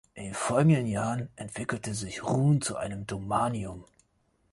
In den folgenden Jahren entwickelte sich Ruhn zu einem Domanium.